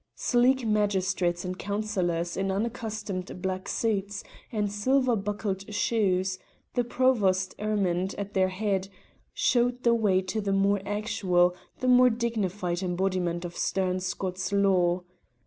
Sleek magistrates and councillors in unaccustomed black suits and silver buckled shoes, the provost ermined at their head, showed the way to the more actual, the more dignified embodiment of stern Scots law.